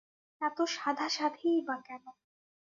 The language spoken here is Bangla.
এত সাধাসাধিই বা কেন?